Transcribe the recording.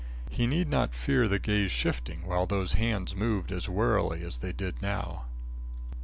He need not fear the gaze shifting, while those hands moved as warily as they did now.